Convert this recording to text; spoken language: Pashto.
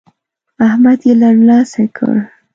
احمد يې لنډلاسی کړ.